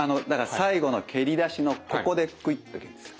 最後の蹴り出しのここでクイッと蹴るんですよ。